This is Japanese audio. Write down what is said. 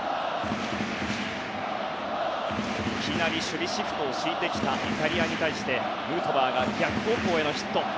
いきなり守備シフトを敷いてきたイタリアに対してヌートバーが逆方向へのヒット。